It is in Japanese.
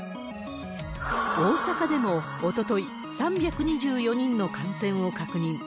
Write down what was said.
大阪でも、おととい、３２４人の感染を確認。